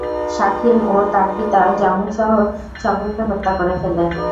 শাখীম ও তার পিতা জামূরসহ সকলকে হত্যা করে ফেলে।